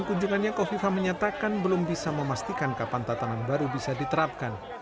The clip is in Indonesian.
kunjungannya kofifa menyatakan belum bisa memastikan kapan tatanan baru bisa diterapkan